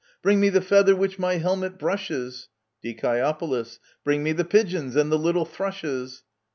Bring me the feather which my helmet brushes ! Die. Bring me the pigeons and the little thrushes